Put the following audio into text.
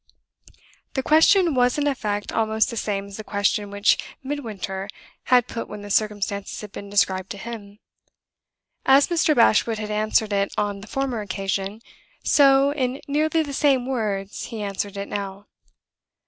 The question was in effect almost the same as the question which Midwinter had put when the circumstances had been described to him. As Mr. Bashwood had answered it on the former occasion, so (in nearly the same words) he answered it now.